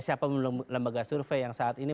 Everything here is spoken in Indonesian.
siapa lembaga survei yang saat ini